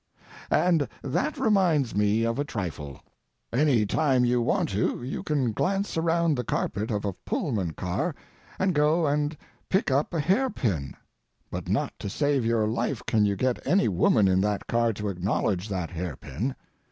And that reminds me of a trifle. Any time you want to you can glance around the carpet of a Pullman car, and go and pick up a hair pin; but not to save your life can you get any woman in that car to acknowledge that hair pin.